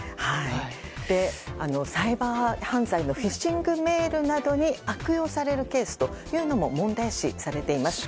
サイバー犯罪のフィッシングメールなどに悪用されるケースというのも問題視されています。